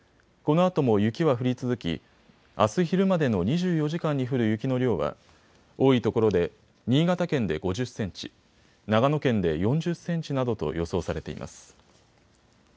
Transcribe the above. このあとも雪は降り続きあす昼までの２４時間に降る雪の量は多いところで新潟県で５０センチ、長野県で４０センチなどと予想されています。